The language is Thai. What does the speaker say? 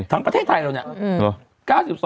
ทั้งประเทศไทยแล้วเนี่ย